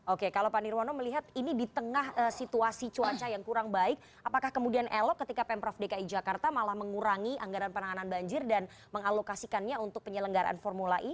oke kalau pak nirwono melihat ini di tengah situasi cuaca yang kurang baik apakah kemudian elok ketika pemprov dki jakarta malah mengurangi anggaran penanganan banjir dan mengalokasikannya untuk penyelenggaraan formula e